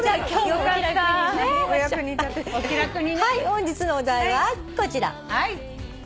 本日のお題はこちら。